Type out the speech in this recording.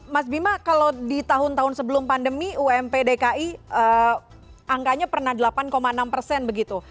mas bima kalau di tahun tahun sebelum pandemi ump dki angkanya pernah delapan enam persen begitu